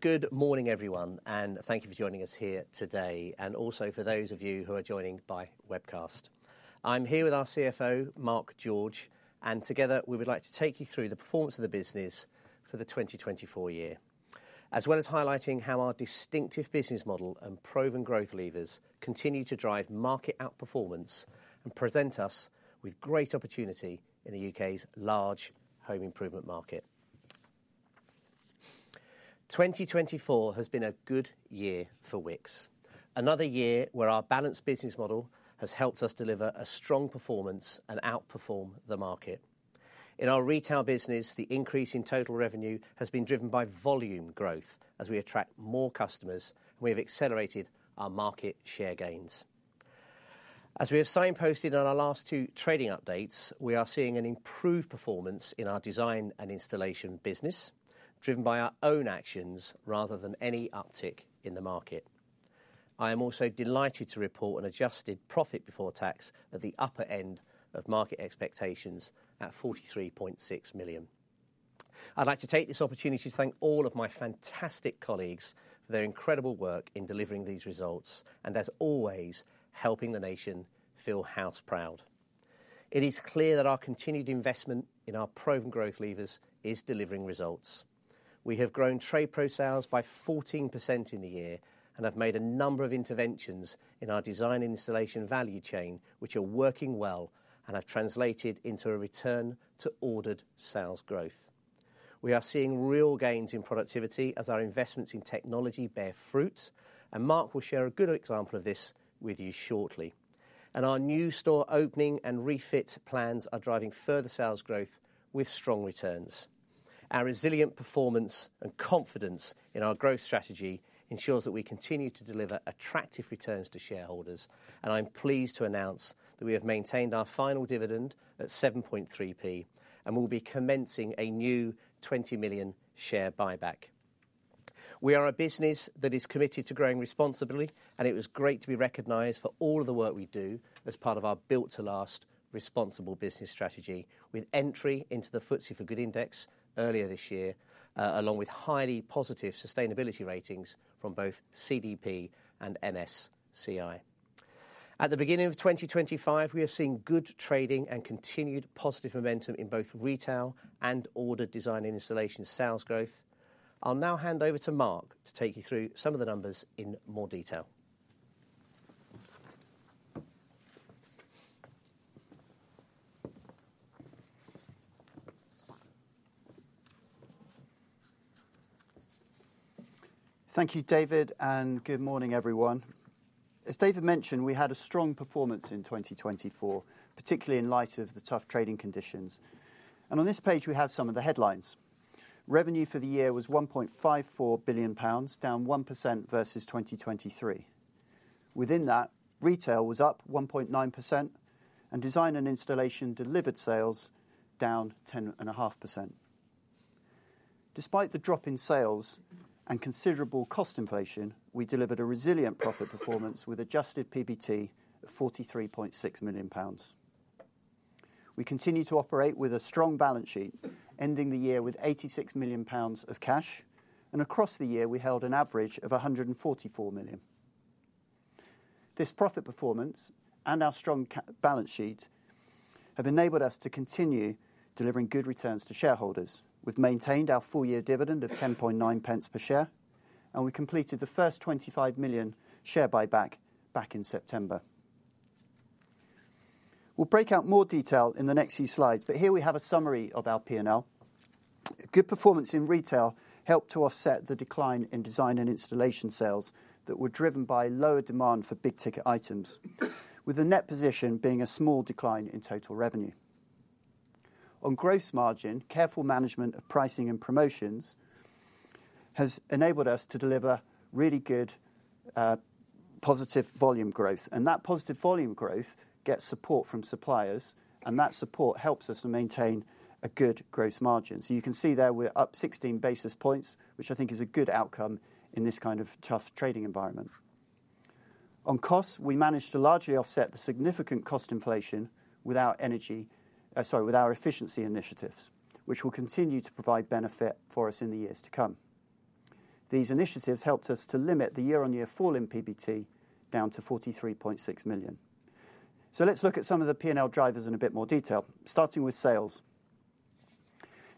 Good morning, everyone, and thank you for joining us here today, and also for those of you who are joining by webcast. I'm here with our CFO, Mark George, and together we would like to take you through the performance of the business for the 2024 year, as well as highlighting how our distinctive business model and proven growth levers continue to drive market outperformance and present us with great opportunity in the U.K.'s large home improvement market. 2024 has been a good year for Wickes, another year where our balanced business model has helped us deliver a strong performance and outperform the market. In our retail business, the increase in total revenue has been driven by volume growth as we attract more customers, and we have accelerated our market share gains. As we have signposted in our last two trading updates, we are seeing an improved performance in our Design and Installation business, driven by our own actions rather than any uptick in the market. I am also delighted to report an adjusted profit before tax at the upper end of market expectations at 43.6 million. I'd like to take this opportunity to thank all of my fantastic colleagues for their incredible work in delivering these results and, as always, helping the nation feel house proud. It is clear that our continued investment in our proven growth levers is delivering results. We have grown TradePro sales by 14% in the year and have made a number of interventions in our Design and Installation value chain, which are working well and have translated into a return to ordered sales growth. We are seeing real gains in productivity as our investments in technology bear fruit, and Mark will share a good example of this with you shortly. Our new store opening and refit plans are driving further sales growth with strong returns. Our resilient performance and confidence in our growth strategy ensures that we continue to deliver attractive returns to shareholders, and I'm pleased to announce that we have maintained our final dividend at 0.073 and will be commencing a new 20 million share buyback. We are a business that is committed to growing responsibly, and it was great to be recognized for all of the work we do as part of our Built to last responsible business strategy, with entry into the FTSE4Good Index earlier this year, along with highly positive sustainability ratings from both CDP and MSCI. At the beginning of 2025, we have seen good trading and continued positive momentum in both retail and ordered Design and Installation sales growth. I'll now hand over to Mark to take you through some of the numbers in more detail. Thank you, David, and good morning, everyone. As David mentioned, we had a strong performance in 2024, particularly in light of the tough trading conditions. On this page, we have some of the headlines. Revenue for the year was 1.54 billion pounds, down 1% versus 2023. Within that, retail was up 1.9%, and Design and Installation delivered sales down 10.5%. Despite the drop in sales and considerable cost inflation, we delivered a resilient profit performance with adjusted PBT of 43.6 million pounds. We continue to operate with a strong balance sheet, ending the year with 86 million pounds of cash, and across the year, we held an average of 144 million. This profit performance and our strong balance sheet have enabled us to continue delivering good returns to shareholders. We've maintained our full-year dividend of 0.109 per share, and we completed the first 25 million share buyback back in September. We'll break out more detail in the next few slides, but here we have a summary of our P&L. Good performance in retail helped to offset the decline in Design and Installation sales that were driven by lower demand for big-ticket items, with the net position being a small decline in total revenue. On gross margin, careful management of pricing and promotions has enabled us to deliver really good positive volume growth, and that positive volume growth gets support from suppliers, and that support helps us to maintain a good gross margin. You can see there we're up 16 basis points, which I think is a good outcome in this kind of tough trading environment. On costs, we managed to largely offset the significant cost inflation with our efficiency initiatives, which will continue to provide benefit for us in the years to come. These initiatives helped us to limit the year-on-year fall in PBT down to 43.6 million. Let's look at some of the P&L drivers in a bit more detail, starting with sales.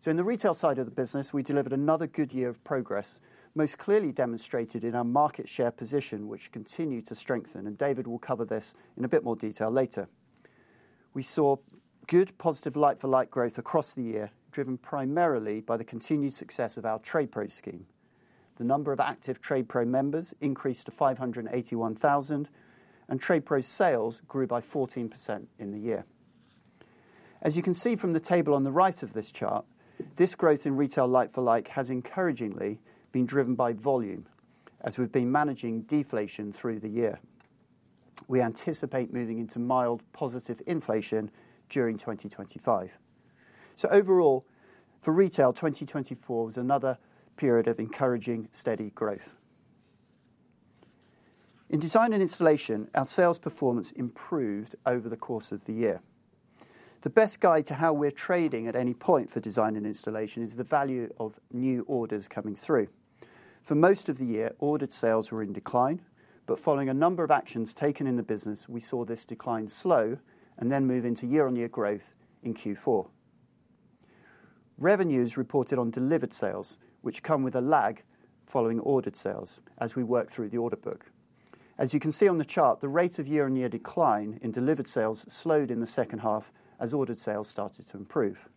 In the retail side of the business, we delivered another good year of progress, most clearly demonstrated in our market share position, which continued to strengthen, and David will cover this in a bit more detail later. We saw good positive like-for-like growth across the year, driven primarily by the continued success of our TradePro scheme. The number of active TradePro members increased to 581,000, and TradePro sales grew by 14% in the year. As you can see from the table on the right of this chart, this growth in retail like-for-like has encouragingly been driven by volume as we've been managing deflation through the year. We anticipate moving into mild positive inflation during 2025. Overall, for retail, 2024 was another period of encouraging, steady growth. In Design and Installation, our sales performance improved over the course of the year. The best guide to how we're trading at any point for Design and Installation is the value of new orders coming through. For most of the year, ordered sales were in decline, but following a number of actions taken in the business, we saw this decline slow and then move into year-on-year growth in Q4. Revenues are reported on delivered sales, which come with a lag following ordered sales as we work through the order book. As you can see on the chart, the rate of year-on-year decline in delivered sales slowed in the second half as ordered sales started to improve.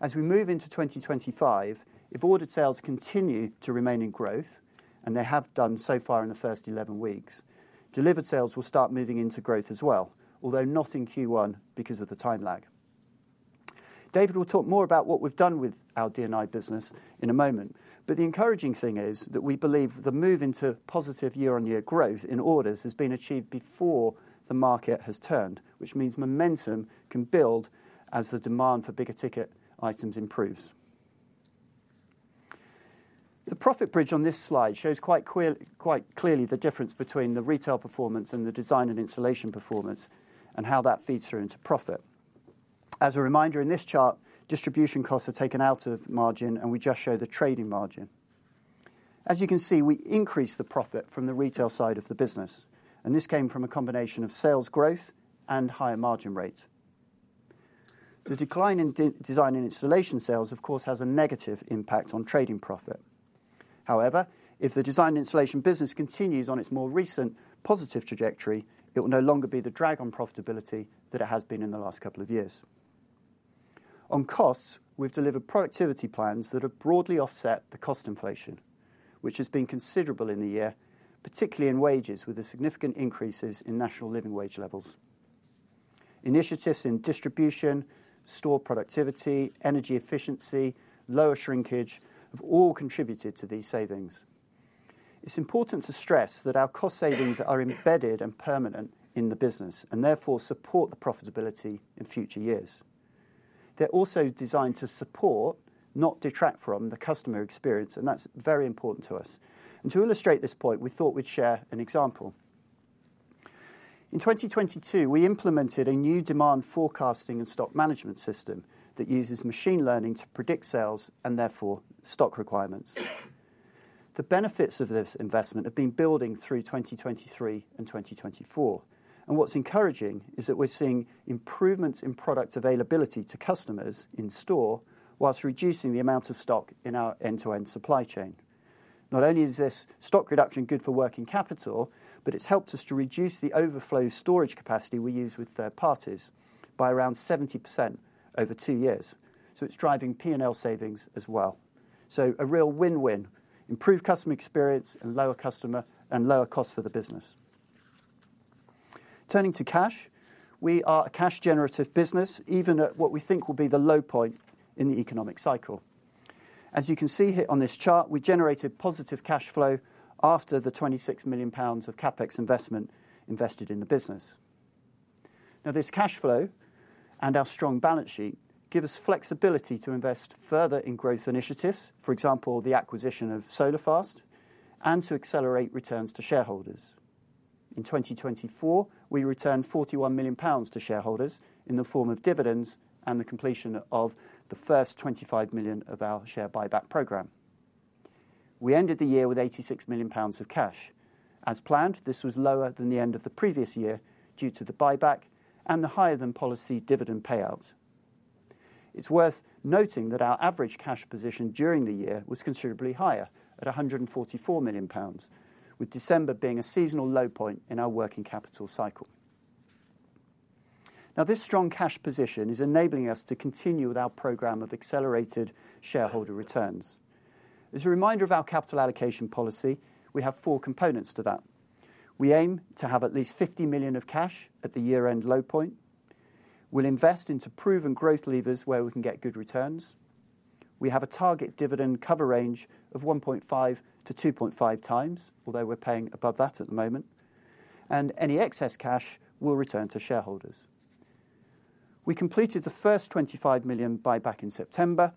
As we move into 2025, if ordered sales continue to remain in growth, and they have done so far in the first 11 weeks, delivered sales will start moving into growth as well, although not in Q1 because of the time lag. David will talk more about what we've done with our D&I business in a moment, but the encouraging thing is that we believe the move into positive year-on-year growth in orders has been achieved before the market has turned, which means momentum can build as the demand for bigger-ticket items improves. The profit bridge on this slide shows quite clearly the difference between the retail performance and the Design and Installation performance and how that feeds through into profit. As a reminder, in this chart, distribution costs are taken out of margin, and we just show the trading margin. As you can see, we increased the profit from the retail side of the business, and this came from a combination of sales growth and higher margin rates. The decline in Design and Installation sales, of course, has a negative impact on trading profit. However, if the Design and Installation business continues on its more recent positive trajectory, it will no longer be the drag on profitability that it has been in the last couple of years. On costs, we've delivered productivity plans that have broadly offset the cost inflation, which has been considerable in the year, particularly in wages with the significant increases in national living wage levels. Initiatives in distribution, store productivity, energy efficiency, lower shrinkage have all contributed to these savings. It's important to stress that our cost savings are embedded and permanent in the business and therefore support the profitability in future years. They're also designed to support, not detract from, the customer experience, and that's very important to us. To illustrate this point, we thought we'd share an example. In 2022, we implemented a new demand forecasting and stock management system that uses machine learning to predict sales and therefore stock requirements. The benefits of this investment have been building through 2023 and 2024, and what's encouraging is that we're seeing improvements in product availability to customers in store whilst reducing the amount of stock in our end-to-end supply chain. Not only is this stock reduction good for working capital, but it's helped us to reduce the overflow storage capacity we use with third parties by around 70% over two years. It's driving P&L savings as well. A real win-win, improved customer experience and lower cost for the business. Turning to cash, we are a cash-generative business, even at what we think will be the low point in the economic cycle. As you can see on this chart, we generated positive cash flow after the 26 million pounds of CapEx investment invested in the business. Now, this cash flow and our strong balance sheet give us flexibility to invest further in growth initiatives, for example, the acquisition of SolarFast, and to accelerate returns to shareholders. In 2024, we returned 41 million pounds to shareholders in the form of dividends and the completion of the first 25 million of our share buyback program. We ended the year with 86 million pounds of cash. As planned, this was lower than the end of the previous year due to the buyback and the higher-than-policy dividend payout. It's worth noting that our average cash position during the year was considerably higher at 144 million pounds, with December being a seasonal low point in our working capital cycle. Now, this strong cash position is enabling us to continue with our program of accelerated shareholder returns. As a reminder of our capital allocation policy, we have four components to that. We aim to have at least 50 million of cash at the year-end low point. We'll invest into proven growth levers where we can get good returns. We have a target dividend cover range of 1.5-2.5 times, although we're paying above that at the moment, and any excess cash will return to shareholders. We completed the first 25 million buyback in September,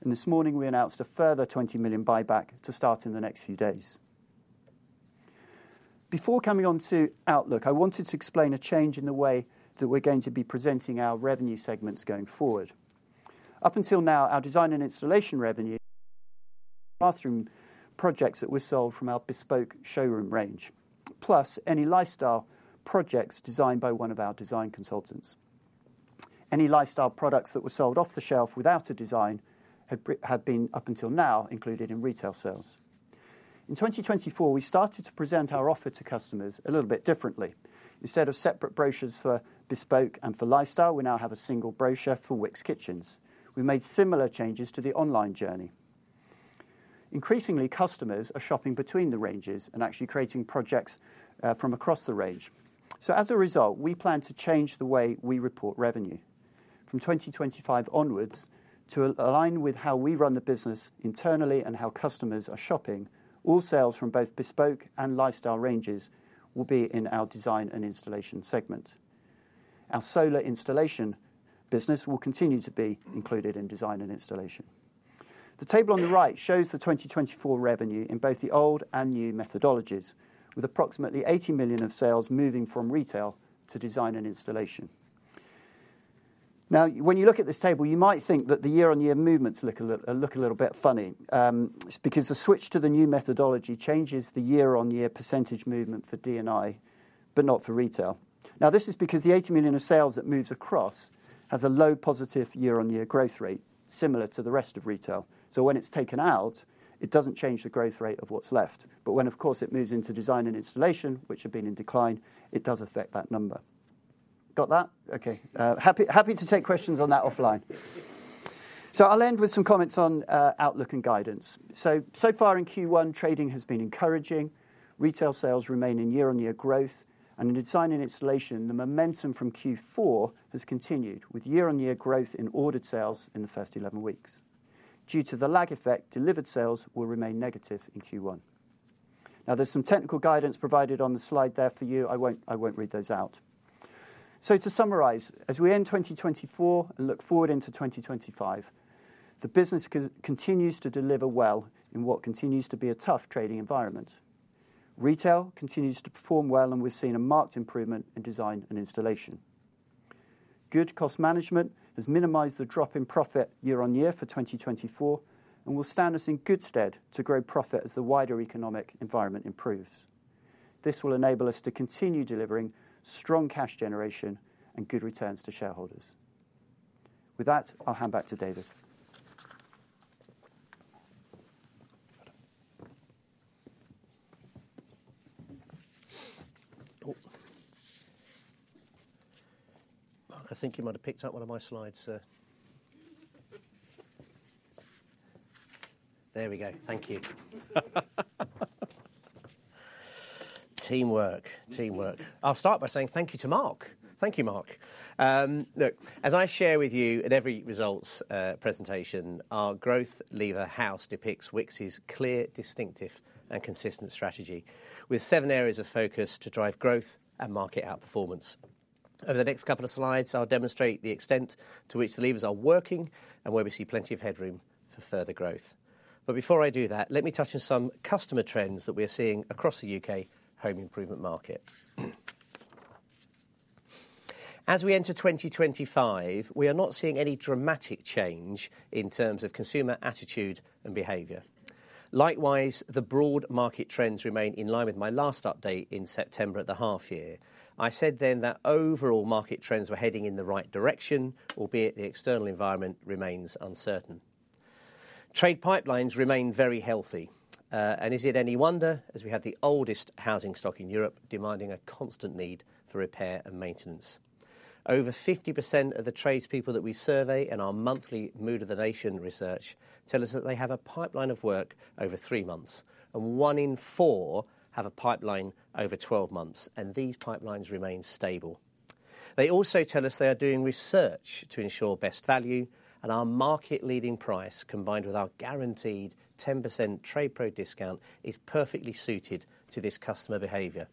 and this morning we announced a further 20 million buyback to start in the next few days. Before coming on to Outlook, I wanted to explain a change in the way that we're going to be presenting our revenue segments going forward. Up until now, our Design and Installation revenue was bathroom projects that were sold from our bespoke showroom range, plus any lifestyle projects designed by one of our design consultants. Any lifestyle products that were sold off the shelf without a design have been up until now included in retail sales. In 2024, we started to present our offer to customers a little bit differently. Instead of separate brochures for bespoke and for lifestyle, we now have a single brochure for Wickes Kitchens. We made similar changes to the online journey. Increasingly, customers are shopping between the ranges and actually creating projects from across the range. As a result, we plan to change the way we report revenue. From 2025 onwards, to align with how we run the business internally and how customers are shopping, all sales from both bespoke and lifestyle ranges will be in ourDesign and Installation segment. Our solar installation business will continue to be included in Design and Installation. The table on the right shows the 2024 revenue in both the old and new methodologies, with approximately 80 million of sales moving from retail to Design and Installation. Now, when you look at this table, you might think that the year-on-year movements look a little bit funny. It's because the switch to the new methodology changes the year-on-year % movement for D&I, but not for retail. Now, this is because the 80 million of sales that moves across has a low positive year-on-year growth rate, similar to the rest of retail. When it's taken out, it doesn't change the growth rate of what's left. When, of course, it moves into Design and Installation, which have been in decline, it does affect that number. Got that? Okay. Happy to take questions on that offline. I'll end with some comments on outlook and guidance. So far in Q1, trading has been encouraging. Retail sales remain in year-on-year growth, and in Design and Installation, the momentum from Q4 has continued with year-on-year growth in ordered sales in the first 11 weeks. Due to the lag effect, delivered sales will remain negative in Q1. There is some technical guidance provided on the slide there for you. I won't read those out. To summarize, as we end 2024 and look forward into 2025, the business continues to deliver well in what continues to be a tough trading environment. Retail continues to perform well, and we've seen a marked improvement in Design and Installation. Good cost management has minimized the drop in profit year-on-year for 2024 and will stand us in good stead to grow profit as the wider economic environment improves. This will enable us to continue delivering strong cash generation and good returns to shareholders. With that, I'll hand back to David. I think you might have picked up one of my slides. There we go. Thank you. Teamwork. Teamwork. I'll start by saying thank you to Mark. Thank you, Mark. Look, as I share with you at every results presentation, our growth lever house depicts Wickes' clear, distinctive, and consistent strategy with seven areas of focus to drive growth and market outperformance. Over the next couple of slides, I'll demonstrate the extent to which the levers are working and where we see plenty of headroom for further growth. Before I do that, let me touch on some customer trends that we are seeing across the U.K. home improvement market. As we enter 2025, we are not seeing any dramatic change in terms of consumer attitude and behavior. Likewise, the broad market trends remain in line with my last update in September at the half-year. I said then that overall market trends were heading in the right direction, albeit the external environment remains uncertain. Trade pipelines remain very healthy, and is it any wonder as we have the oldest housing stock in Europe demanding a constant need for repair and maintenance? Over 50% of the tradespeople that we survey in our monthly Mood of the Nation research tell us that they have a pipeline of work over three months, and one in four have a pipeline over 12 months, and these pipelines remain stable. They also tell us they are doing research to ensure best value, and our market-leading price combined with our guaranteed 10% TradePro discount is perfectly suited to this customer behavior.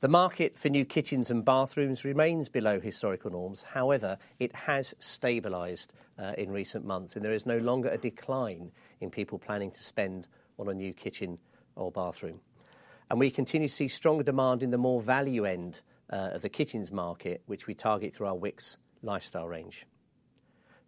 The market for new kitchens and bathrooms remains below historical norms. However, it has stabilized in recent months, and there is no longer a decline in people planning to spend on a new kitchen or bathroom. We continue to see strong demand in the more value-end of the kitchens market, which we target through our Wickes lifestyle range.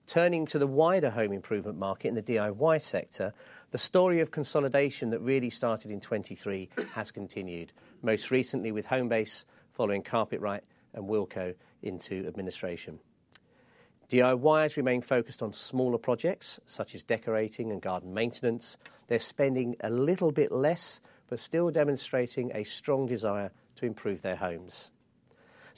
Turning to the wider home improvement market in the DIY sector, the story of consolidation that really started in 2023 has continued, most recently with Homebase following Carpetright and Wilko into administration. DIYers remain focused on smaller projects such as decorating and garden maintenance. They're spending a little bit less, but still demonstrating a strong desire to improve their homes.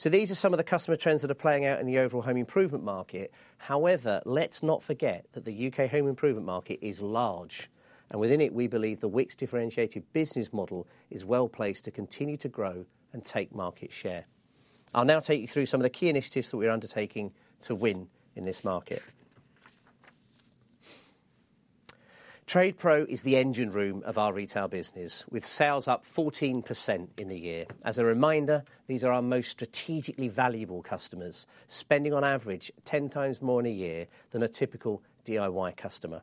These are some of the customer trends that are playing out in the overall home improvement market. However, let's not forget that the U.K. home improvement market is large, and within it, we believe the Wickes differentiated business model is well placed to continue to grow and take market share. I'll now take you through some of the key initiatives that we're undertaking to win in this market. TradePro is the engine room of our retail business, with sales up 14% in the year. As a reminder, these are our most strategically valuable customers, spending on average 10 times more in a year than a typical DIY customer.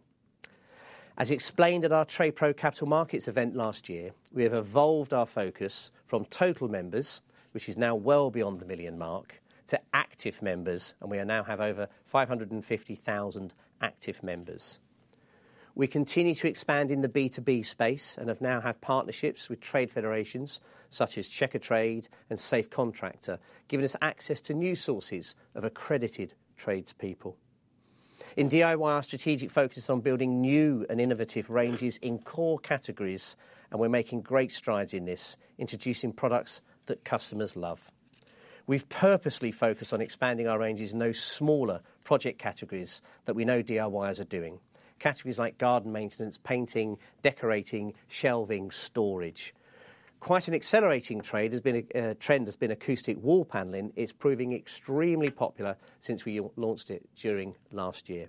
As explained at our TradePro Capital Markets event last year, we have evolved our focus from total members, which is now well beyond the million mark, to active members, and we now have over 550,000 active members. We continue to expand in the B2B space and have now had partnerships with trade federations such as Checkatrade and SafeContractor, giving us access to new sources of accredited tradespeople. In DIY, our strategic focus is on building new and innovative ranges in core categories, and we're making great strides in this, introducing products that customers love. We've purposely focused on expanding our ranges in those smaller project categories that we know DIYers are doing, categories like garden maintenance, painting, decorating, shelving, storage. Quite an accelerating trend has been acoustic wall panelling. It's proving extremely popular since we launched it during last year.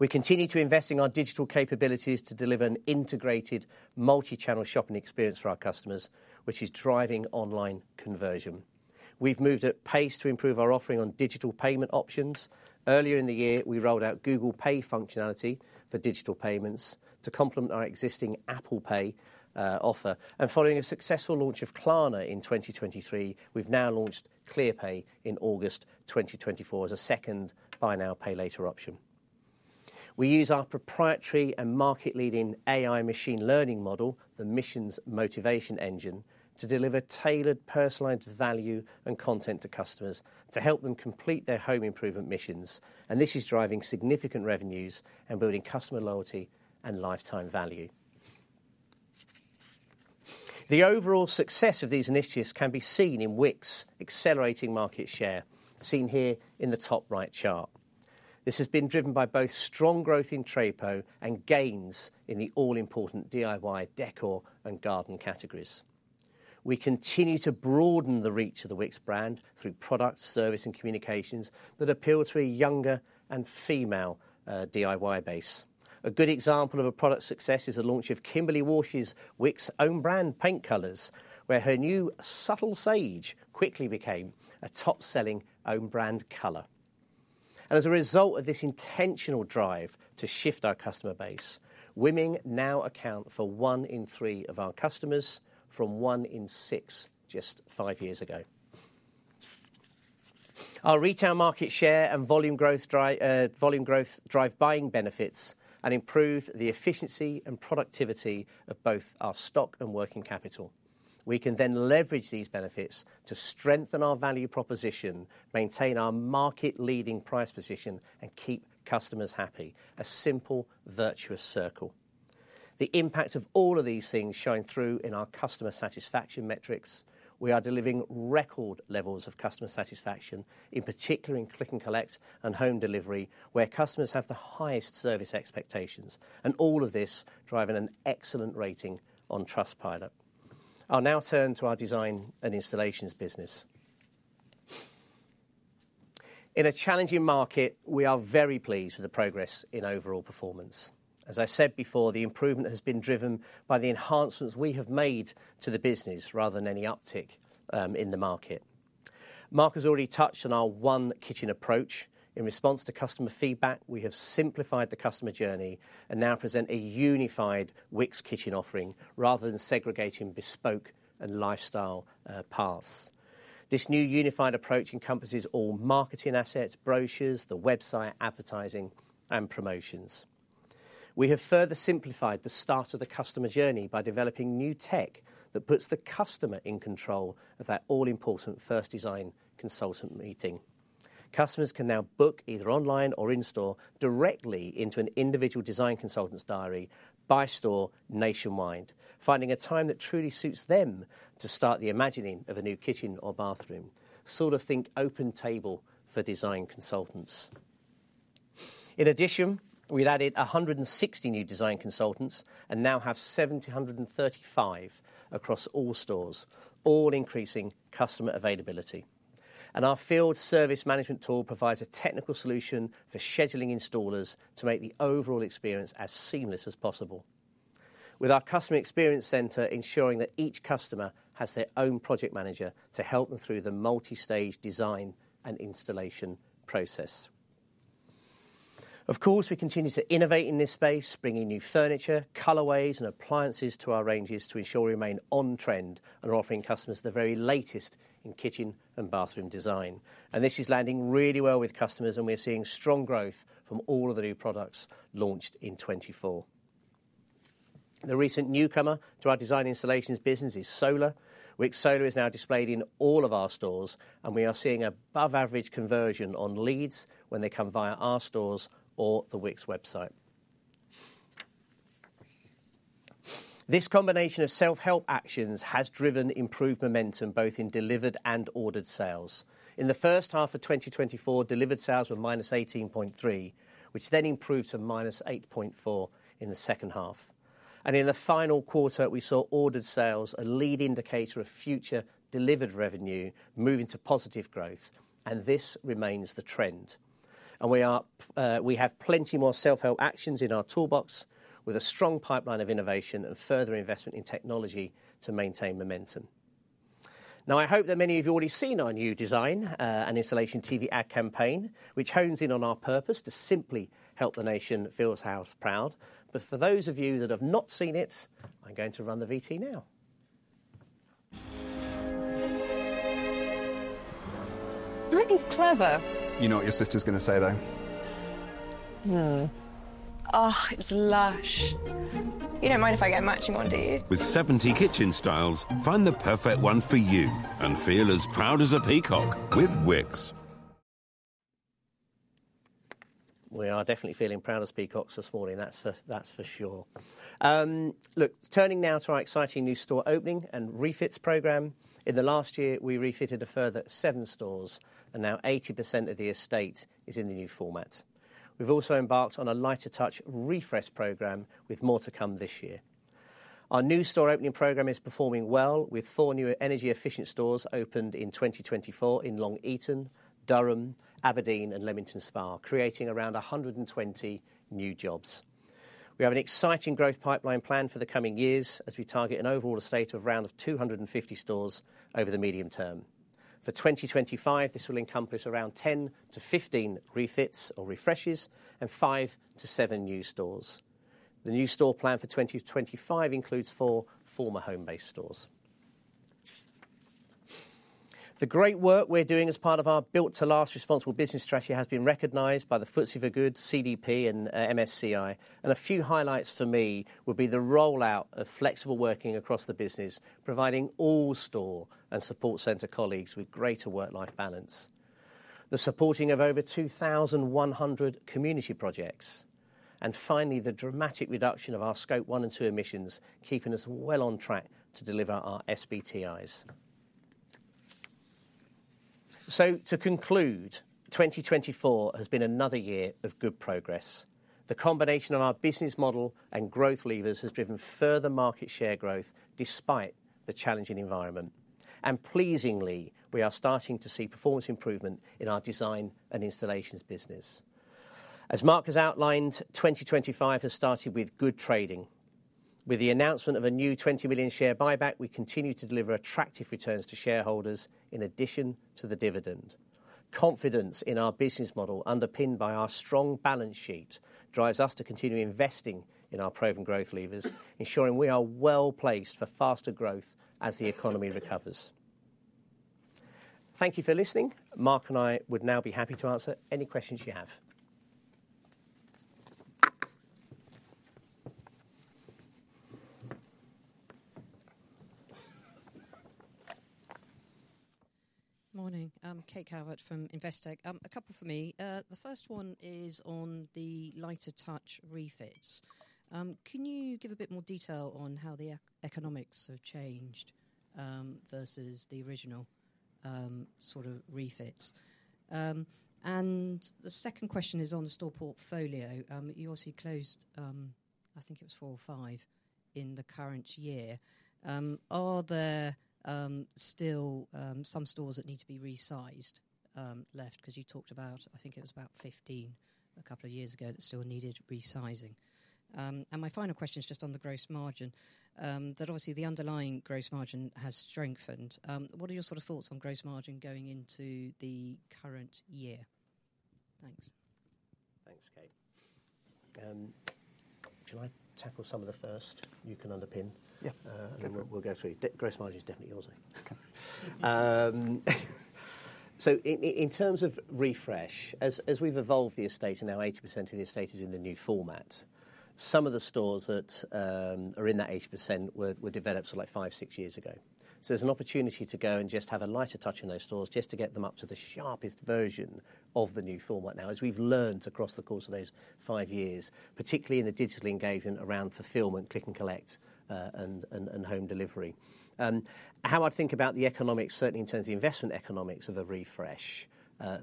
We continue to invest in our digital capabilities to deliver an integrated multi-channel shopping experience for our customers, which is driving online conversion. We have moved at pace to improve our offering on digital payment options. Earlier in the year, we rolled out Google Pay functionality for digital payments to complement our existing Apple Pay offer. Following a successful launch of Klarna in 2023, we have now launched Clearpay in August 2024 as a second buy-now-pay-later option. We use our proprietary and market-leading AI machine learning model, the Mission Motivation Engine, to deliver tailored, personalized value and content to customers to help them complete their home improvement missions. This is driving significant revenues and building customer loyalty and lifetime value. The overall success of these initiatives can be seen in Wickes' accelerating market share, seen here in the top right chart. This has been driven by both strong growth in Trade Pro and gains in the all-important DIY, decor, and garden categories. We continue to broaden the reach of the Wickes brand through product, service, and communications that appeal to a younger and female DIY base. A good example of a product success is the launch of Kimberley Walsh's Wickes own brand paint colours, where her new subtle sage quickly became a top-selling own brand colour. As a result of this intentional drive to shift our customer base, women now account for one in three of our customers from one in six just five years ago. Our retail market share and volume growth drive buying benefits and improve the efficiency and productivity of both our stock and working capital. We can then leverage these benefits to strengthen our value proposition, maintain our market-leading price position, and keep customers happy. A simple, virtuous circle. The impact of all of these things shines through in our customer satisfaction metrics. We are delivering record levels of customer satisfaction, in particular in click and collect and home delivery, where customers have the highest service expectations, and all of this driving an excellent rating on Trustpilot. I'll now turn to our Design and Installations business. In a challenging market, we are very pleased with the progress in overall performance. As I said before, the improvement has been driven by the enhancements we have made to the business rather than any uptick in the market. Mark has already touched on our one kitchen approach. In response to customer feedback, we have simplified the customer journey and now present a unified Wickes kitchen offering rather than segregating bespoke and lifestyle paths. This new unified approach encompasses all marketing assets, brochures, the website, advertising, and promotions. We have further simplified the start of the customer journey by developing new tech that puts the customer in control of that all-important first design consultant meeting. Customers can now book either online or in-store directly into an individual design consultant's diary by store nationwide, finding a time that truly suits them to start the imagining of a new kitchen or bathroom. Sort of think OpenTable for design consultants. In addition, we've added 160 new design consultants and now have 735 across all stores, all increasing customer availability. Our field service management tool provides a technical solution for scheduling installers to make the overall experience as seamless as possible, with our customer experience center ensuring that each customer has their own project manager to help them through the multi-stage Design and Installation process. Of course, we continue to innovate in this space, bringing new furniture, colorways, and appliances to our ranges to ensure we remain on-trend and are offering customers the very latest in kitchen and bathroom design. This is landing really well with customers, and we are seeing strong growth from all of the new products launched in 2024. The recent newcomer to our design installations business is Solar. Wickes Solar is now displayed in all of our stores, and we are seeing above-average conversion on leads when they come via our stores or the Wickes website. This combination of self-help actions has driven improved momentum both in delivered and ordered sales. In the first half of 2024, delivered sales were minus 18.3, which then improved to minus 8.4 in the second half. In the final quarter, we saw ordered sales, a lead indicator of future delivered revenue, moving to positive growth, and this remains the trend. We have plenty more self-help actions in our toolbox with a strong pipeline of innovation and further investment in technology to maintain momentum. I hope that many of you have already seen our new Design and Installation TV ad campaign, which hones in on our purpose to simply help the nation feel its house proud. For those of you that have not seen it, I'm going to run the VT now. That is clever. You know what your sister's going to say, though? Oh, it's lush. You don't mind if I get a matching one, do you? With 70 kitchen styles, find the perfect one for you and feel as proud as a peacock with Wickes. We are definitely feeling proud as peacocks this morning. That's for sure. Look, turning now to our exciting new store opening and refits program. In the last year, we refitted a further seven stores, and now 80% of the estate is in the new format. We've also embarked on a lighter touch refresh program with more to come this year. Our new store opening program is performing well, with four new energy-efficient stores opened in 2024 in Long Eaton, Durham, Aberdeen, and Leamington Spa, creating around 120 new jobs. We have an exciting growth pipeline planned for the coming years as we target an overall estate of around 250 stores over the medium term. For 2025, this will encompass around 10-15 refits or refreshes and five to seven new stores. The new store plan for 2025 includes four former Homebase stores. The great work we're doing as part of our Built to Last responsible business strategy has been recognized by the FTSE for Good, CDP, and MSCI. A few highlights for me would be the rollout of flexible working across the business, providing all store and support center colleagues with greater work-life balance, the supporting of over 2,100 community projects, and finally, the dramatic reduction of our scope one and two emissions, keeping us well on track to deliver our SBTIs. To conclude, 2024 has been another year of good progress. The combination of our business model and growth levers has driven further market share growth despite the challenging environment. Pleasingly, we are starting to see performance improvement in our Design and Installations business. As Mark has outlined, 2025 has started with good trading. With the announcement of a new 20 million share buyback, we continue to deliver attractive returns to shareholders in addition to the dividend. Confidence in our business model, underpinned by our strong balance sheet, drives us to continue investing in our proven growth levers, ensuring we are well placed for faster growth as the economy recovers. Thank you for listening. Mark and I would now be happy to answer any questions you have. Morning. Kate Calvert from Investec. A couple for me. The first one is on the lighter touch refits. Can you give a bit more detail on how the economics have changed versus the original sort of refits? The second question is on the store portfolio. You obviously closed, I think it was four or five, in the current year. Are there still some stores that need to be resized left? Because you talked about, I think it was about 15 a couple of years ago that still needed resizing. My final question is just on the gross margin. That obviously the underlying gross margin has strengthened. What are your sort of thoughts on gross margin going into the current year? Thanks. Thanks, Kate. Can I tackle some of the first you can underpin? Yeah. We'll go through. Gross margin is definitely yours. In terms of refresh, as we've evolved the estate and now 80% of the estate is in the new format, some of the stores that are in that 80% were developed sort of like five, six years ago. There's an opportunity to go and just have a lighter touch in those stores just to get them up to the sharpest version of the new format now, as we've learned across the course of those five years, particularly in the digital engagement around fulfillment, click and collect, and home delivery. How I'd think about the economics, certainly in terms of the investment economics of a refresh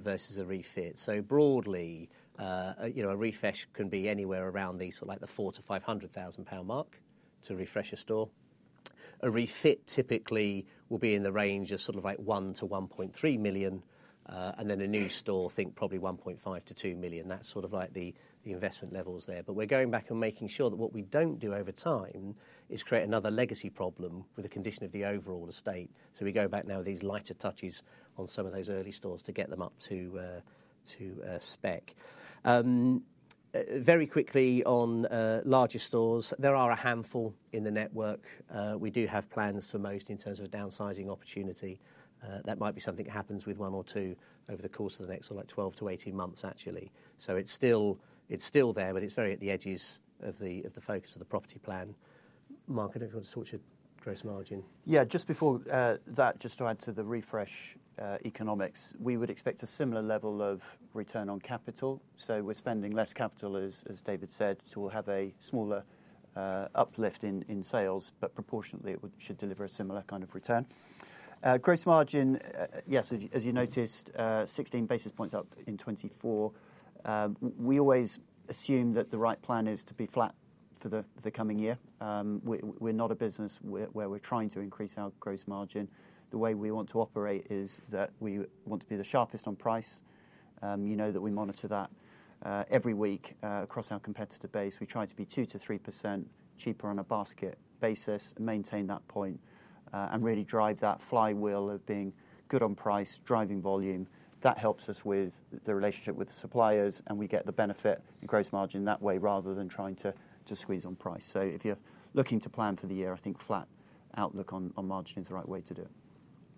versus a refit. Broadly, a refresh can be anywhere around the sort of like the 400,000-500,000 pound mark to refresh a store. A refit typically will be in the range of sort of like 1 million-1.3 million, and then a new store, think probably 1.5 million-2 million. That's sort of like the investment levels there. We are going back and making sure that what we do not do over time is create another legacy problem with the condition of the overall estate. We go back now with these lighter touches on some of those early stores to get them up to spec. Very quickly on larger stores, there are a handful in the network. We do have plans for most in terms of a downsizing opportunity. That might be something that happens with one or two over the course of the next 12-18 months, actually. It is still there, but it is very at the edges of the focus of the property plan. Mark, I do not know if you want to talk to gross margin. Just before that, just to add to the refresh economics, we would expect a similar level of return on capital. We're spending less capital, as David said, so we'll have a smaller uplift in sales, but proportionately, it should deliver a similar kind of return. Gross margin, yes, as you noticed, 16 basis points up in 2024. We always assume that the right plan is to be flat for the coming year. We're not a business where we're trying to increase our gross margin. The way we want to operate is that we want to be the sharpest on price. You know that we monitor that every week across our competitor base. We try to be 2-3% cheaper on a basket basis and maintain that point and really drive that flywheel of being good on price, driving volume. That helps us with the relationship with the suppliers, and we get the benefit and gross margin that way rather than trying to squeeze on price. If you're looking to plan for the year, I think flat outlook on margin is the right way to do it.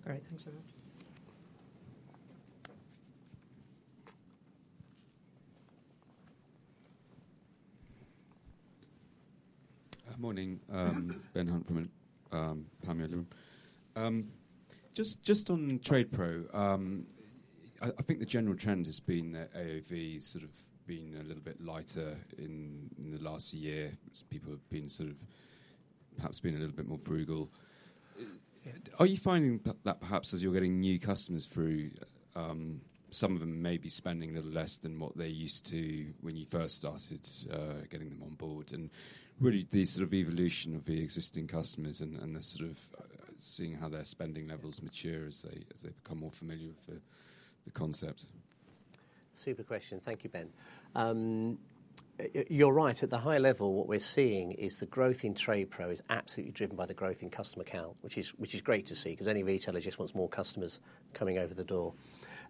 Great. Thanks so much. Morning. Ben Hunt from Panmure Liberum. Just on TradePro, I think the general trend has been that AOV has sort of been a little bit lighter in the last year. People have been sort of perhaps been a little bit more frugal. Are you finding that perhaps as you're getting new customers through, some of them may be spending a little less than what they used to when you first started getting them on board? Really, the sort of evolution of the existing customers and the sort of seeing how their spending levels mature as they become more familiar with the concept? Super question. Thank you, Ben. You're right. At the high level, what we're seeing is the growth in TradePro is absolutely driven by the growth in customer count, which is great to see because any retailer just wants more customers coming over the door.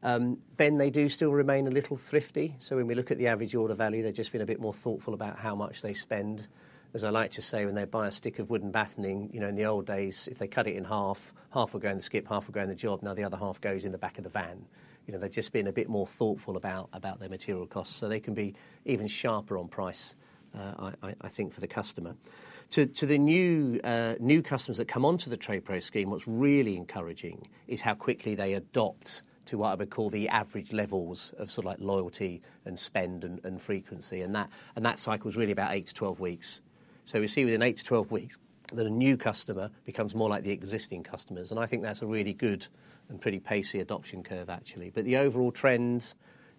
Ben, they do still remain a little thrifty. When we look at the average order value, they've just been a bit more thoughtful about how much they spend. As I like to say, when they buy a stick of wooden battening, in the old days, if they cut it in half, half will go in the skip, half will go in the job, and now the other half goes in the back of the van. They've just been a bit more thoughtful about their material costs. They can be even sharper on price, I think, for the customer. To the new customers that come onto the TradePro scheme, what's really encouraging is how quickly they adopt to what I would call the average levels of sort of loyalty and spend and frequency. That cycle is really about 8-12 weeks. We see within 8-12 weeks that a new customer becomes more like the existing customers. I think that's a really good and pretty pacey adoption curve, actually. The overall trends,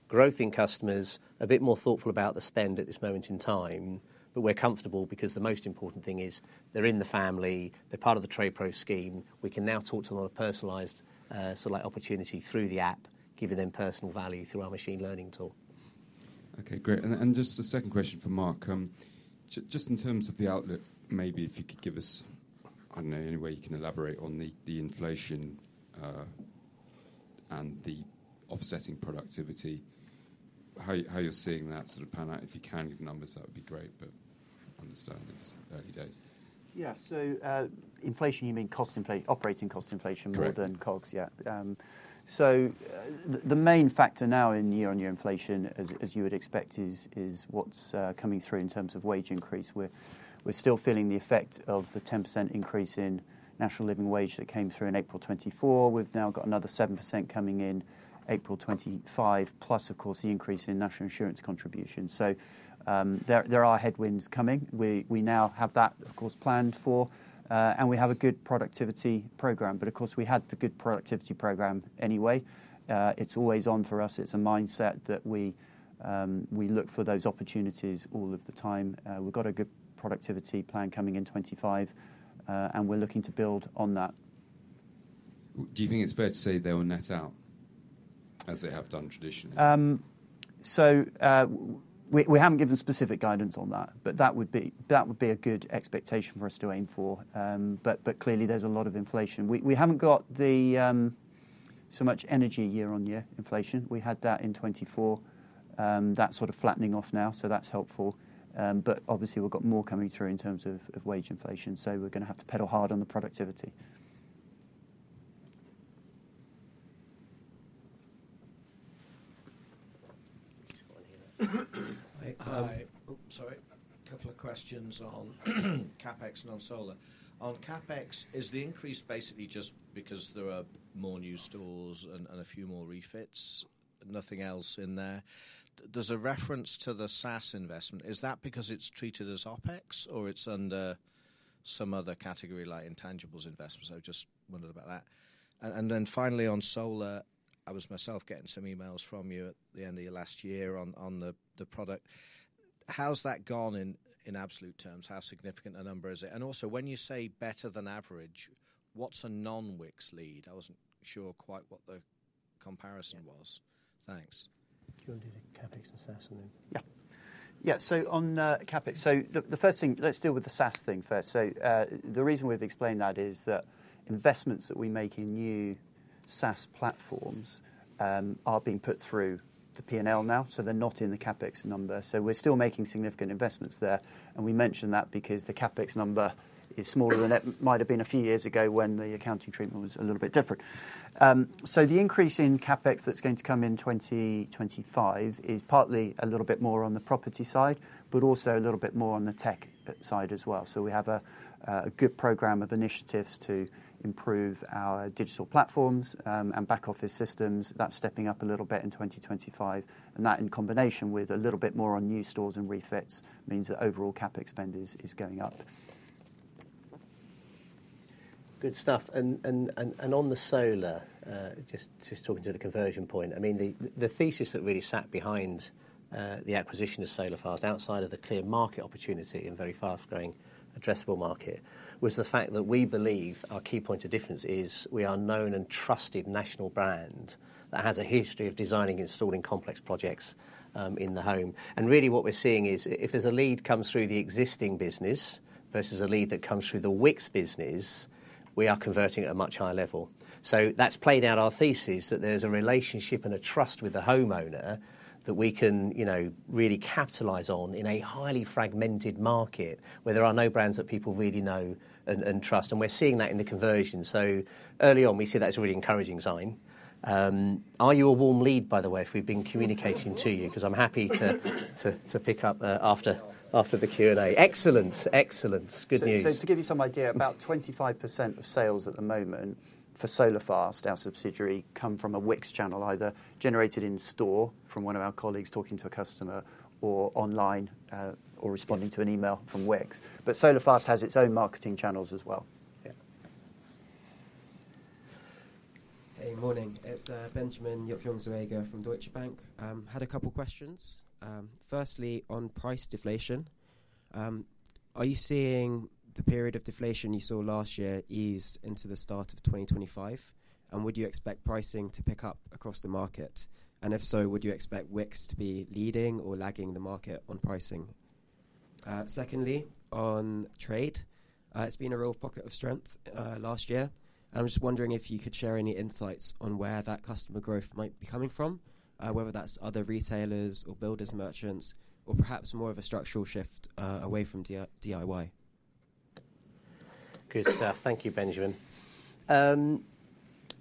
growth in customers, a bit more thoughtful about the spend at this moment in time. We're comfortable because the most important thing is they're in the family. They're part of the TradePro scheme. We can now talk to them on a personalised sort of like opportunity through the app, giving them personal value through our machine learning tool. Okay, great. Just a second question for Mark. Just in terms of the outlook, maybe if you could give us, I do not know, any way you can elaborate on the inflation and the offsetting productivity, how you are seeing that sort of pan out. If you can give numbers, that would be great, but under stand it is early days. Yeah, so inflation, you mean cost inflation, operating cost inflation rather than COGS, yeah. The main factor now in year-on-year inflation, as you would expect, is what is coming through in terms of wage increase. We are still feeling the effect of the 10% increase in national living wage that came through in April 2024. We have now got another 7% coming in April 2025, plus, of course, the increase in national insurance contributions. There are headwinds coming. We now have that, of course, planned for, and we have a good productivity program. Of course, we had the good productivity program anyway. It's always on for us. It's a mindset that we look for those opportunities all of the time. We've got a good productivity plan coming in 2025, and we're looking to build on that. Do you think it's fair to say they will net out as they have done traditionally? We haven't given specific guidance on that, but that would be a good expectation for us to aim for. Clearly, there's a lot of inflation. We haven't got so much energy year-on-year inflation. We had that in 2024. That's sort of flattening off now, so that's helpful. Obviously, we've got more coming through in terms of wage inflation, so we're going to have to pedal hard on the productivity. Hi. Sorry. A couple of questions on CapEx and on solar. On CapEx, is the increase basically just because there are more new stores and a few more refits? Nothing else in there. There's a reference to the SaaS investment. Is that because it's treated as OpEx or it's under some other category like intangibles investments? I just wondered about that. Finally, on solar, I was myself getting some emails from you at the end of your last year on the product. How's that gone in absolute terms? How significant a number is it? Also, when you say better than average, what's a non-Wickes lead? I wasn't sure quite what the comparison was. Thanks. Do you want to do the CapEx and SaaS and then? Yeah. Yeah, so on CapEx, the first thing, let's deal with the SaaS thing first. The reason we've explained that is that investments that we make in new SaaS platforms are being put through the P&L now, so they're not in the CapEx number. We're still making significant investments there. We mention that because the CapEx number is smaller than it might have been a few years ago when the accounting treatment was a little bit different. The increase in CapEx that's going to come in 2025 is partly a little bit more on the property side, but also a little bit more on the tech side as well. We have a good program of initiatives to improve our digital platforms and back office systems. That's stepping up a little bit in 2025. That, in combination with a little bit more on new stores and refits, means that overall CapEx spend is going up. Good stuff. On the solar, just talking to the conversion point, I mean, the thesis that really sat behind the acquisition of SolarFast outside of the clear market opportunity and very fast-growing addressable market was the fact that we believe our key point of difference is we are a known and trusted national brand that has a history of designing and installing complex projects in the home. Really, what we're seeing is if there's a lead that comes through the existing business versus a lead that comes through the Wickes business, we are converting at a much higher level. That has played out our thesis that there's a relationship and a trust with the homeowner that we can really capitalize on in a highly fragmented market where there are no brands that people really know and trust. We're seeing that in the conversion. Early on, we see that as a really encouraging sign. Are you a warm lead, by the way, if we've been communicating to you? Because I'm happy to pick up after the Q&A. Excellent. Excellent. Good news. To give you some idea, about 25% of sales at the moment for SolarFast, our subsidiary, come from a Wickes channel, either generated in store from one of our colleagues talking to a customer or online or responding to an email from Wickes. SolarFast has its own marketing channels as well. Yeah. Hey, morning. It's Benjamin Yokyong-Zoega from Deutsche Bank. I had a couple of questions. Firstly, on price deflation. Are you seeing the period of deflation you saw last year ease into the start of 2025? Would you expect pricing to pick up across the market? If so, would you expect Wickes to be leading or lagging the market on pricing? Secondly, on trade, it has been a real pocket of strength last year. I am just wondering if you could share any insights on where that customer growth might be coming from, whether that is other retailers or builders' merchants or perhaps more of a structural shift away from DIY. Good stuff. Thank you, Benjamin.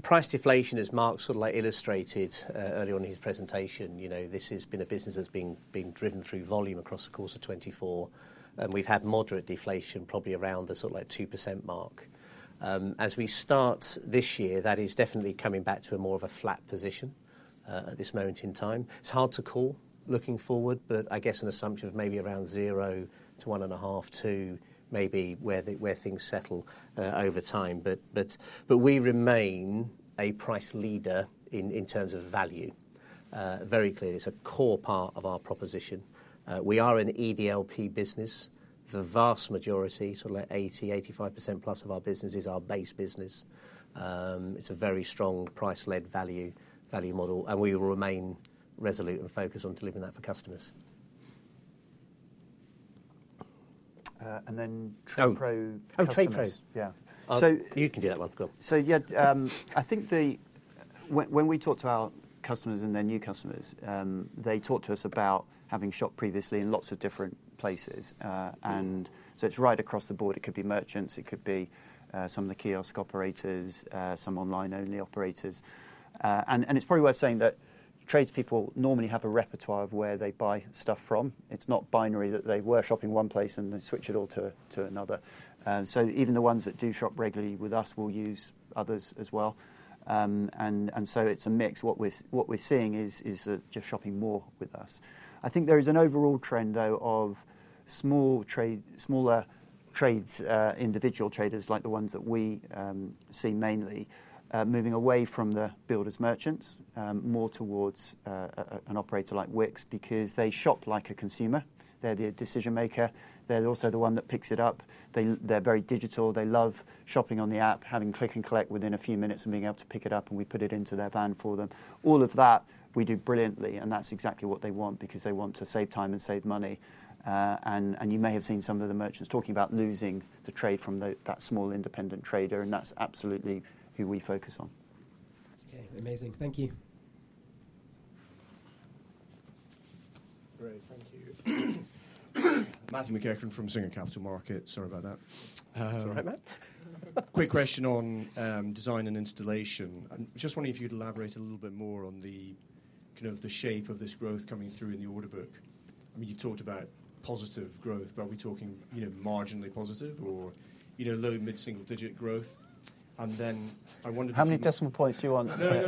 Price deflation, as Mark sort of illustrated earlier on in his presentation, this has been a business that has been driven through volume across the course of 2024. We have had moderate deflation, probably around the sort of like 2% mark. As we start this year, that is definitely coming back to a more of a flat position at this moment in time. It's hard to call looking forward, but I guess an assumption of maybe around zero to one and a half, two, maybe where things settle over time. We remain a price leader in terms of value. Very clearly, it's a core part of our proposition. We are an EDLP business. The vast majority, sort of like 80-85% plus of our business is our base business. It's a very strong price-led value model, and we will remain resolute and focused on delivering that for customers. TradePro. Oh, TradePro. Yeah. You can do that one. Go on. Yeah, I think when we talk to our customers and their new customers, they talk to us about having shopped previously in lots of different places. It's right across the board. It could be merchants. It could be some of the kiosk operators, some online-only operators. It's probably worth saying that tradespeople normally have a repertoire of where they buy stuff from. It's not binary that they were shopping one place and then switch it all to another. Even the ones that do shop regularly with us will use others as well. It's a mix. What we're seeing is just shopping more with us. I think there is an overall trend, though, of smaller trades, individual traders, like the ones that we see mainly, moving away from the builders' merchants, more towards an operator like Wickes because they shop like a consumer. They're the decision maker. They're also the one that picks it up. They're very digital. They love shopping on the app, having click and collect within a few minutes and being able to pick it up, and we put it into their van for them. All of that, we do brilliantly, and that's exactly what they want because they want to save time and save money. You may have seen some of the merchants talking about losing the trade from that small independent trader, and that's absolutely who we focus on. Okay. Amazing. Thank you. Great. Thank you. Matthew McEachran from Singer Capital Markets. Sorry about that. All right, Matt. Quick question on design and installation. Just wondering if you could elaborate a little bit more on the kind of shape of this growth coming through in the order book. I mean, you've talked about positive growth, but are we talking marginally positive or low, mid-single-digit growth? I wondered how many decimal points do you want? I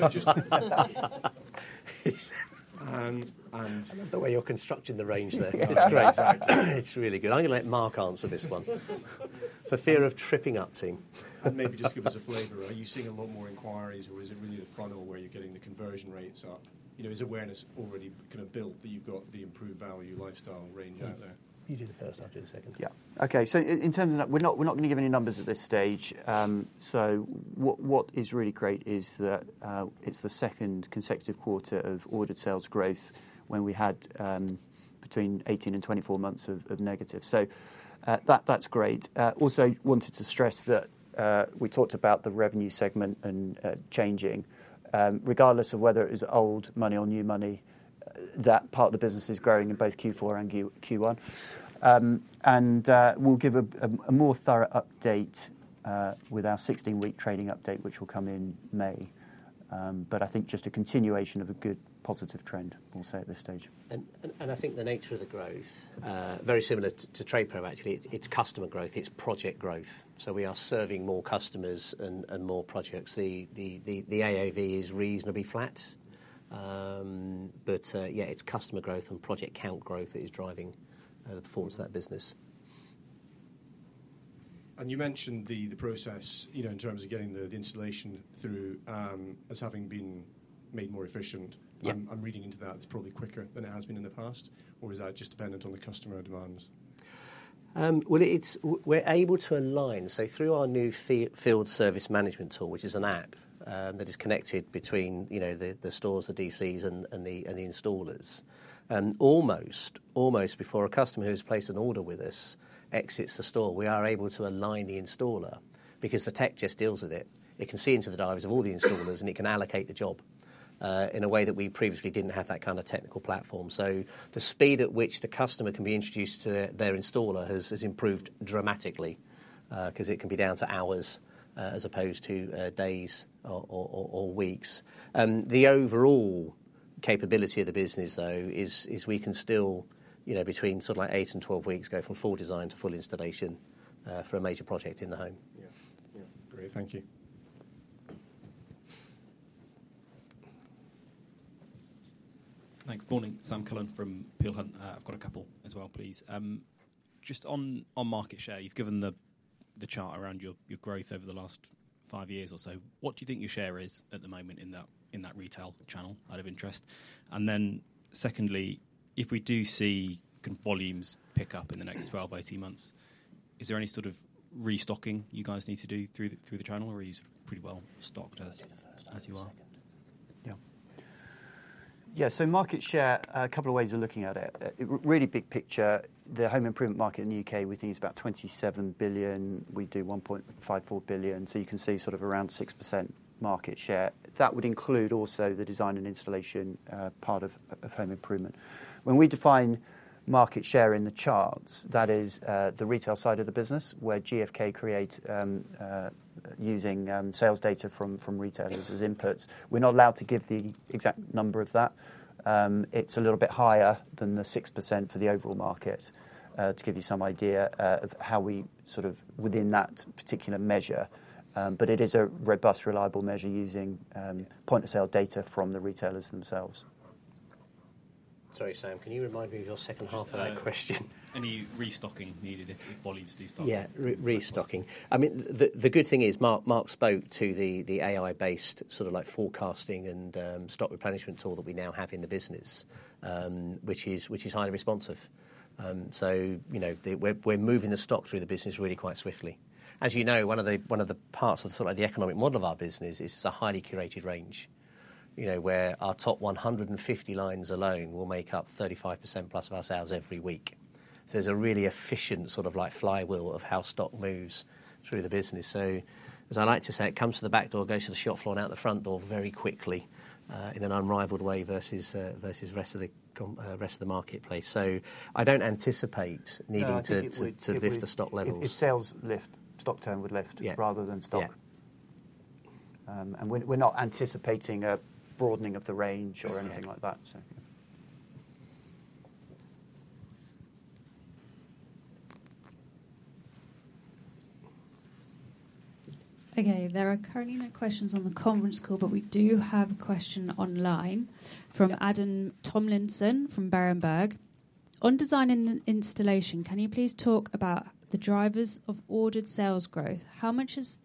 love the way you're constructing the range there. It's great. It's really good. I'm going to let Mark answer this one for fear of tripping up, team. Maybe just give us a flavor. Are you seeing a lot more inquiries, or is it really the funnel where you're getting the conversion rates up? Is awareness already kind of built that you've got the improved value lifestyle range out there? You do the first, I'll do the second. Yeah. Okay. In terms of that, we're not going to give any numbers at this stage. What is really great is that it's the second consecutive quarter of ordered sales growth when we had between 18-24 months of negative. That's great. Also, wanted to stress that we talked about the revenue segment and changing. Regardless of whether it is old money or new money, that part of the business is growing in both Q4 and Q1. We will give a more thorough update with our 16-week trading update, which will come in May. I think just a continuation of a good positive trend, we'll say at this stage. I think the nature of the growth, very similar to TradePro, actually, it's customer growth. It's project growth. We are serving more customers and more projects. The AOV is reasonably flat. It's customer growth and project count growth that is driving the performance of that business. You mentioned the process in terms of getting the installation through as having been made more efficient. I'm reading into that it's probably quicker than it has been in the past, or is that just dependent on the customer demands? We are able to align. Through our new field service management tool, which is an app that is connected between the stores, the DCs, and the installers, almost before a customer who has placed an order with us exits the store, we are able to align the installer because the tech just deals with it. It can see into the drivers of all the installers, and it can allocate the job in a way that we previously did not have that kind of technical platform. The speed at which the customer can be introduced to their installer has improved dramatically because it can be down to hours as opposed to days or weeks. The overall capability of the business, though, is we can still, between sort of like 8 and 12 weeks, go from full design to full installation for a major project in the home. Yeah. Yeah. Great. Thank you. Thanks. Morning. Sam Cullen from Peel Hunt. I've got a couple as well, please. Just on market share, you've given the chart around your growth over the last five years or so. What do you think your share is at the moment in that retail channel out of interest? Secondly, if we do see volumes pick up in the next 12-18 months, is there any sort of restocking you guys need to do through the channel? Are you pretty well stocked as you are? Yeah. Market share, a couple of ways of looking at it. Really big picture, the home improvement market in the U.K., we think is about 27 billion. We do 1.54 billion. You can see sort of around 6% market share. That would include also the design and installation part of home improvement. When we define market share in the charts, that is the retail side of the business where GfK creates using sales data from retailers as inputs. We're not allowed to give the exact number of that. It's a little bit higher than the 6% for the overall market to give you some idea of how we sort of within that particular measure. It is a robust, reliable measure using point-of-sale data from the retailers themselves. Sorry, Sam. Can you remind me of your second half of that question? Any restocking needed if volumes do start to? Yeah, restocking. I mean, the good thing is Mark spoke to the AI-based sort of like forecasting and stock replenishment tool that we now have in the business, which is highly responsive. We're moving the stock through the business really quite swiftly. As you know, one of the parts of sort of like the economic model of our business is it's a highly curated range where our top 150 lines alone will make up 35% plus of our sales every week. There is a really efficient sort of like flywheel of how stock moves through the business. As I like to say, it comes to the back door, goes to the shop floor, and out the front door very quickly in an unrivaled way versus the rest of the marketplace. I don't anticipate needing to lift the stock levels. If sales lift, stock turn would lift rather than stock. We're not anticipating a broadening of the range or anything like that. Okay. There are currently no questions on the conference call, but we do have a question online from Adam Tomlinson from Berenberg. On design and installation, can you please talk about the drivers of ordered sales growth? How much is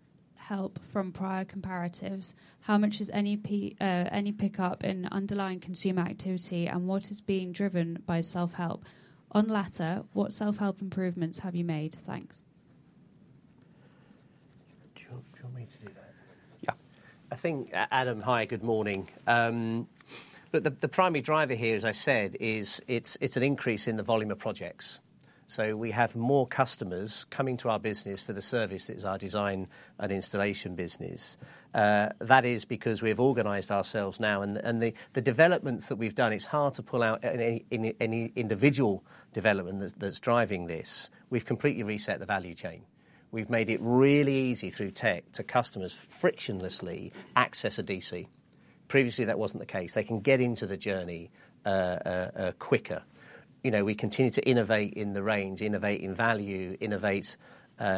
help from prior comparatives? How much is any pickup in underlying consumer activity, and what is being driven by self-help? On latter, what self-help improvements have you made? Thanks. Do you want me to do that? Yeah. I think, Adam, hi, good morning. Look, the primary driver here, as I said, is it's an increase in the volume of projects. We have more customers coming to our business for the service that is our design and installation business. That is because we have organized ourselves now. The developments that we've done, it's hard to pull out any individual development that's driving this. We've completely reset the value chain. We've made it really easy through tech to customers frictionlessly access a DC. Previously, that wasn't the case. They can get into the journey quicker. We continue to innovate in the range, innovate in value, innovate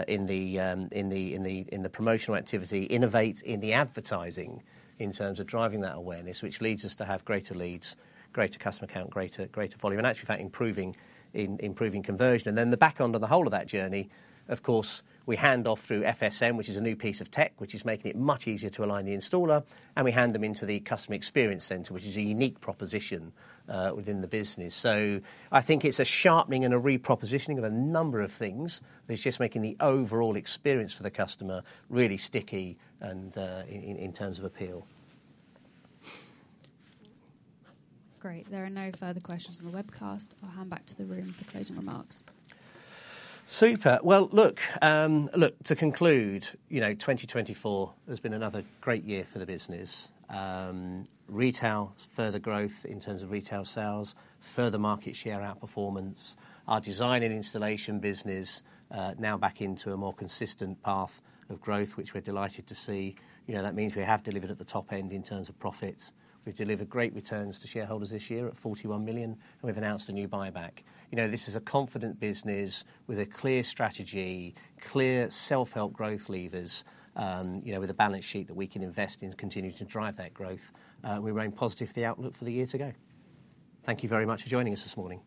in the promotional activity, innovate in the advertising in terms of driving that awareness, which leads us to have greater leads, greater customer count, greater volume, and actually that improving conversion. The back end of the whole of that journey, of course, we hand off through FSM, which is a new piece of tech, which is making it much easier to align the installer, and we hand them into the Customer Experience Centre, which is a unique proposition within the business. I think it's a sharpening and a repropositioning of a number of things that is just making the overall experience for the customer really sticky in terms of appeal. Great. There are no further questions on the webcast. I'll hand back to the room for closing remarks. Super. To conclude, 2024 has been another great year for the business. Retail, further growth in terms of retail sales, further market share outperformance. Our design and installation business now back into a more consistent path of growth, which we're delighted to see. That means we have delivered at the top end in terms of profits. We've delivered great returns to shareholders this year at 41 million, and we've announced a new buyback. This is a confident business with a clear strategy, clear self-help growth levers, with a balance sheet that we can invest in to continue to drive that growth. We remain positive for the outlook for the year to go. Thank you very much for joining us this morning.